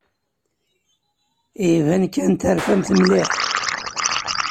Iban kan terfamt mliḥ.